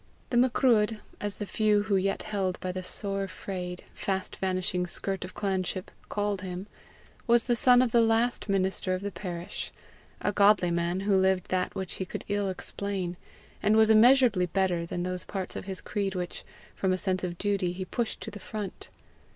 The Macruadh, as the few who yet held by the sore frayed, fast vanishing skirt of clanship, called him, was the son of the last minister of the parish a godly man, who lived that which he could ill explain, and was immeasurably better than those parts of his creed which, from a sense of duty, he pushed to the front.